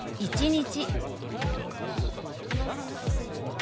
「１日」。